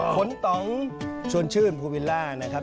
คุณต๋องชวนชื่นภูวิลล่านะครับ